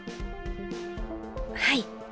はい。